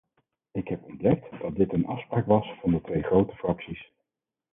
Ik heb ontdekt dat dit een afspraak was van de twee grote fracties.